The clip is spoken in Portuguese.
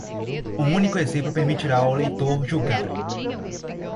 Um único exemplo permitirá ao leitor julgá-lo.